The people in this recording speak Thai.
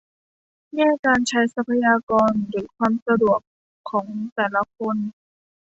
แง่การใช้ทรัพยากรหรือความสะดวกของแต่ละคน